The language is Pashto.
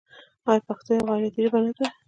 آیا پښتو یوه غیرتي ژبه نه ده؟